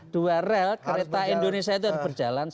dua rel kereta indonesia itu harus berjalan